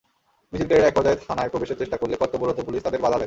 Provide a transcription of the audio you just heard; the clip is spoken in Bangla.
মিছিলকারীরা একপর্যায়ে থানায় প্রবেশের চেষ্টা করলে কর্তব্যরত পুলিশ তাঁদের বাধা দেয়।